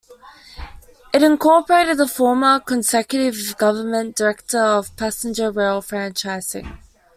It incorporated the former Conservative government's Director of Passenger Rail Franchising.